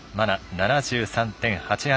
７３．８８。